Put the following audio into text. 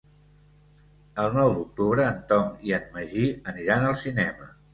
El nou d'octubre en Tom i en Magí aniran al cinema.